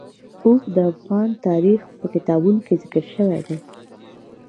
اوښ د افغان تاریخ په کتابونو کې ذکر شوی دی.